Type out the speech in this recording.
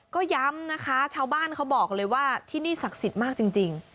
ก็ย้ำนะคะชาวบ้านเขาบอกเลยว่าที่นี่ศักดิ์สิทธิ์มากจริง